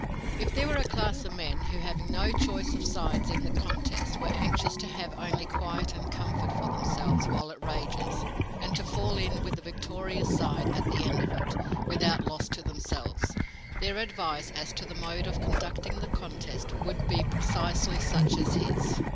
"If there were a class of men who, having no choice of sides in the contest, were anxious to have only quiet and comfort for themselves while it rages, and to fall in with the victorious side at the end of it, without loss to themselves, their advice as to the mode of conducting the contest would be precisely such as his."